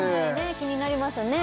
気になりますね